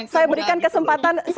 saya berikan kesempatan satu menit